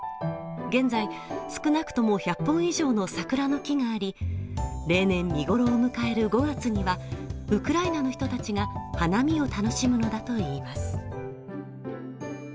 現在、少なくとも１００本以上の桜の木があり例年見頃を迎える５月には、ウクライナの人たちが花見を楽しむのだといいます。